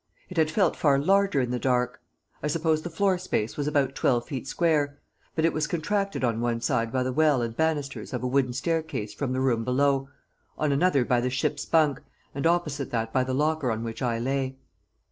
It had felt far larger in the dark. I suppose the floor space was about twelve feet square, but it was contracted on one side by the well and banisters of a wooden staircase from the room below, on another by the ship's bunk, and opposite that by the locker on which I lay.